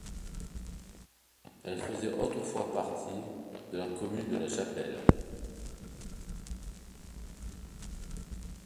Elle faisait autrefois partie de la commune de La Chapelle.